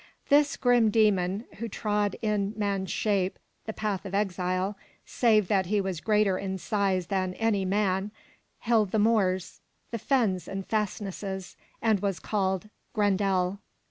This grim demon who trod in man's shape the path of exile, save that he was greater in size than any man, held the moors, the fens and fastnesses, and was called Gren'del.